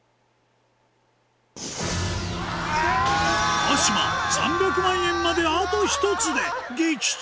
川島３００万円まであと１つで撃沈！